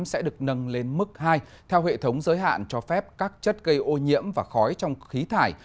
sẽ được nâng lên mức hai theo hệ thống giới hạn cho phép các chất gây ô nhiễm và khói trong khí thải